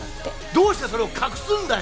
どうしてそれを隠すんだよ！